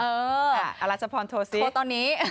เออเอาลัชพรโทรสิโทรตอนนี้